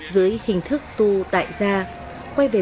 rồi từ đó họ sẽ quay về